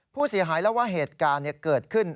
ผู้เสียหายเล่าว่าเหตุการณ์เกิดขึ้น